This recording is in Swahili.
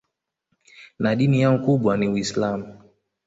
Na dini yao kubwa ni Uislamu